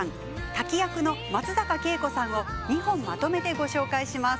タキ役の松坂慶子さんを２本まとめてご紹介します。